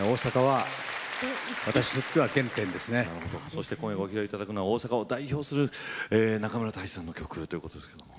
そして今夜ご披露頂くのは大阪を代表する中村泰士さんの曲ということですけども。